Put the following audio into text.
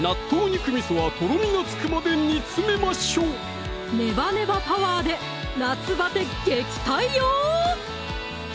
肉みそはとろみがつくまで煮つめましょうネバネバパワーで夏バテ撃退よ！